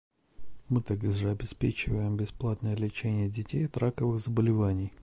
Мы также обеспечиваем бесплатное лечение детей от раковых заболеваний.